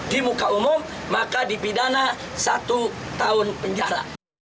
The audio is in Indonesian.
di muka umum maka dipidana satu tahun penjara